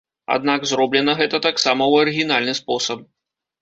Аднак зроблена гэта таксама ў арыгінальны спосаб.